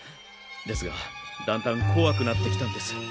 ですがだんだんこわくなってきたんです。